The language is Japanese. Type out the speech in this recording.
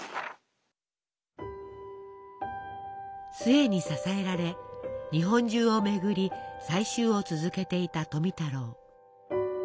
壽衛に支えられ日本中を巡り採集を続けていた富太郎。